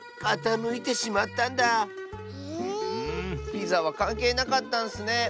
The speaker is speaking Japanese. ピザはかんけいなかったんスね。